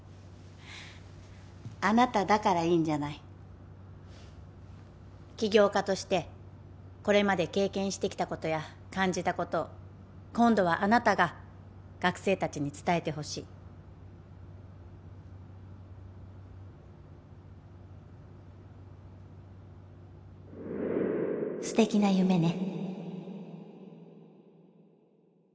あなただからいいんじゃない起業家としてこれまで経験してきたことや感じたことを今度はあなたが学生達に伝えてほしい素敵な夢ね